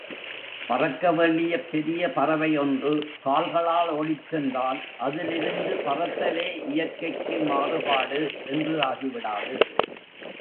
பறக்க வேண்டிய பெரிய பறவை ஒன்று கால்களால் ஓடிச்சென்றால், அதிலிருந்து பறத்தலே இயற்கைக்கு மாறுபாடு என்று ஆகிவிடாது.